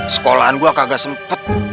sekolahan gua kagak sempet